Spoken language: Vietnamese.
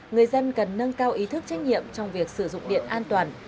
người dân cần nâng cao ý thức trách nhiệm trong việc sử dụng điện an toàn